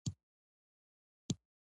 واردات د ضرورت مطابق وي.